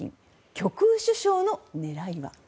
極右首相の狙いは？